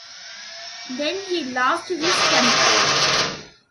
Then he lost his temper.